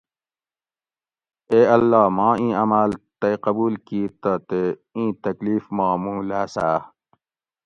اے اللّٰہ ماں ایں عماۤل تئ قبول کِیت تہ تے ایں تکلیف ما مُوں لاۤساۤ